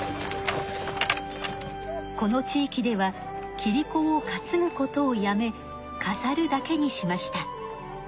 この地域ではキリコを担ぐことをやめかざるだけにしました。